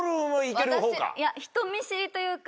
人見知りというか。